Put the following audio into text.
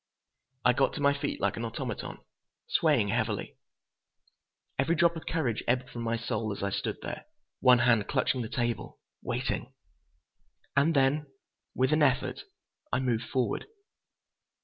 I got to my feet like an automaton, swaying heavily. Every drop of courage ebbed from my soul as I stood there, one hand clutching the table, waiting.... And then, with an effort, I moved forward.